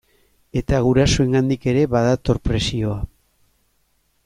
Egun gurasoengandik ere badator presioa.